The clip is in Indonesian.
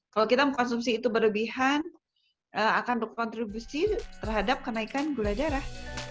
kalau kita mengkonsumsi itu berlebihan akan berkontribusi terhadap kenaikan gula darah